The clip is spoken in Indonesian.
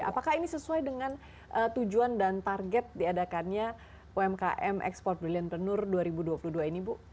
apakah ini sesuai dengan tujuan dan target diadakannya umkm export brilliantpreneur dua ribu dua puluh dua ini bu